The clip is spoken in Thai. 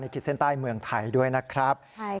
ขีดเส้นใต้เมืองไทยด้วยนะครับ